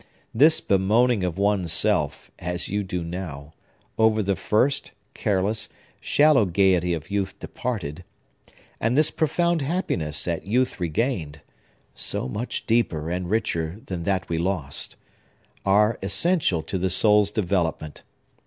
This bemoaning of one's self (as you do now) over the first, careless, shallow gayety of youth departed, and this profound happiness at youth regained,—so much deeper and richer than that we lost,—are essential to the soul's development.